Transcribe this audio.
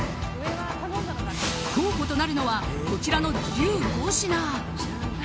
候補となるのは、こちらの１５品。